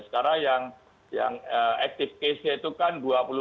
sekarang yang active case nya itu kan dua puluh lima lima ratus sembilan puluh delapan